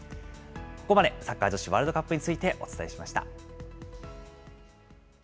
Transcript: ここまでサッカー女子ワールドカップについて、お伝えしました。